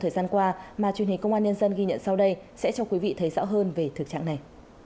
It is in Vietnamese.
thời gian qua mà truyền hình công an nhân dân ghi nhận sau đây sẽ cho quý vị thấy rõ hơn về thực trạng này